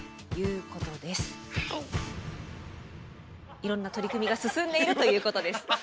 いろんな取り組みが進んでいるということです。